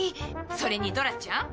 それにドラちゃん。